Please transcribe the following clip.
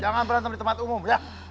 jangan berantem di tempat umum ya